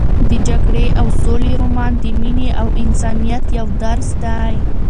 د جګړې او سولې رومان د مینې او انسانیت یو درس دی.